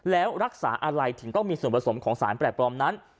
แล้วรักษาอะไรถึงต้องมีส่วนผสมของสารแปลกปลอมนั้น